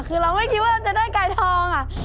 คือเราไม่คิดว่าจะได้ไกรทองค่ะ